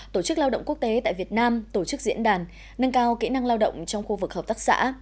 tổ chức lao động quốc tế tại việt nam tổ chức diễn đàn nâng cao kỹ năng lao động trong khu vực hợp tác xã